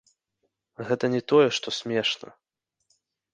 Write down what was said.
Гэта не тое што смешна.